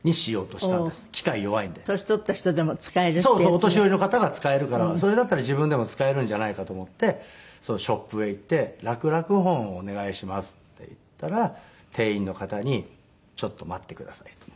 お年寄りの方が使えるからそれだったら自分でも使えるんじゃないかと思ってショップへ行って「らくらくホンをお願いします」って言ったら店員の方に「ちょっと待ってください」と。